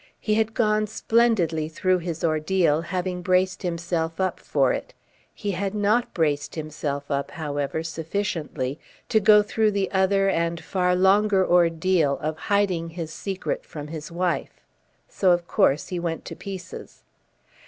He had gone splendidly through his ordeal, having braced himself up for it. He had not braced himself up, however, sufficiently to go through the other and far longer ordeal of hiding his secret from his wife. So of course he went to pieces.